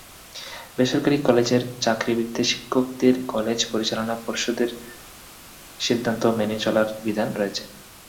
বেসরকারি কলেজের চাকরিবিধিতে শিক্ষকদের কলেজ পরিচালনা পর্ষদের সিদ্ধান্ত মেনে চলার বিধান রয়েছে।